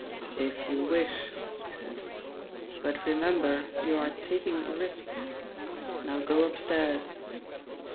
"If you wish," he said, "but remember you are taking a risk. Now go upstairs."